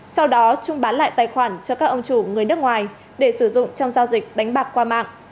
sau đó trung bán lại tài khoản cho các ông chủ người nước ngoài để sử dụng trong giao dịch đánh bạc qua mạng